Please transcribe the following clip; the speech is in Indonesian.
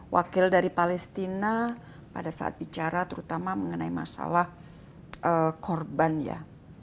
wakil dari palestina pada saat bicara terutama mengenai masalah korban ya